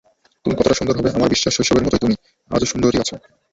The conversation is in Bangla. তুমি কতটা সুন্দর হবে, আমার বিশ্বাস শৈশবের মতোই তুমি, আজও সুন্দরই আছো।